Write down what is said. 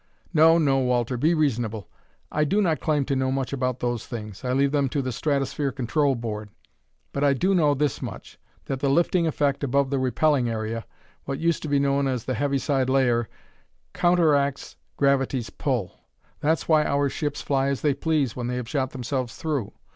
No, no, Walter; be reasonable. I do not claim to know much about those things I leave them to the Stratosphere Control Board but I do know this much: that the lifting effect above the repelling area what used to be known as the heaviside layer counteracts gravity's pull. That's why our ships fly as they please when they have shot themselves through.